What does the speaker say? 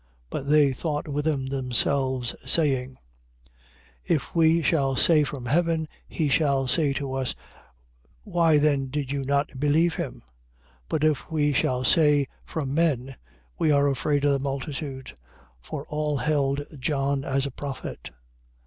But they thought within themselves, saying: 21:26. If we shall say, from heaven, he will say to us: Why then did you not believe him? But if we shall say, from men, we are afraid of the multitude: for all held John as a prophet.